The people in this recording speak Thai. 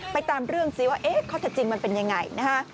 ไปตามเรื่องสิว่าเอ๊ะข้อทัดจริงมันเป็นยังไง